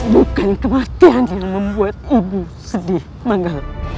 bukan kematian yang membuat ibu sedih manggal